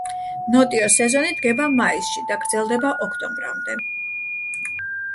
ნოტიო სეზონი დგება მაისში და გრძელდება ოქტომბრამდე.